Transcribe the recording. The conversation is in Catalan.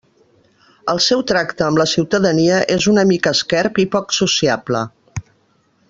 El seu tracte amb la ciutadania és una mica esquerp i poc sociable.